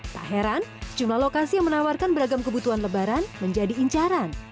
tak heran jumlah lokasi yang menawarkan beragam kebutuhan lebaran menjadi incaran